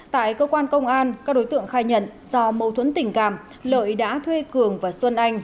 tại cơ quan công an các đối tượng khai nhận do mâu thuẫn tình cảm lợi đã thuê cường và xuân anh